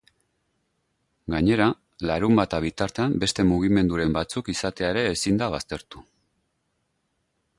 Gainera, larunbata bitartean beste mugimenduren batzuk izatea ere ezin da baztertu.